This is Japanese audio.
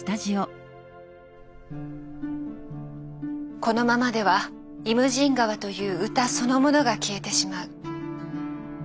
「このままでは『イムジン河』という歌そのものが消えてしまう」。